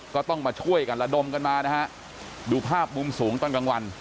ก็ต้องมาช่วยกันระดมกันมานะฮะดูภาพมุมสูงตอนกลางวัน